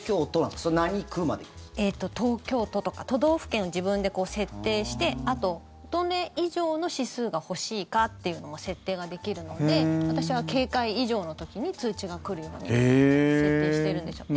東京都とか都道府県を自分で設定してあと、どれ以上の指数が欲しいかっていうのも設定ができるので私は警戒以上の時に通知が来るように設定しているんですよ。